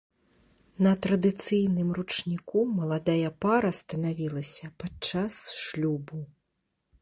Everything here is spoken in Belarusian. На традыцыйным ручніку маладая пара станавілася падчас шлюбу.